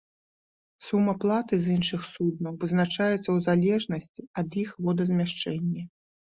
Сума платы з іншых суднаў вызначаецца ў залежнасці ад іх водазмяшчэнні.